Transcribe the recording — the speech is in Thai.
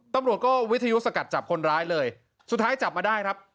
ตำรวจก็วิทยุสกัดจับคนร้ายเลยสุดท้ายจับมาได้ครับ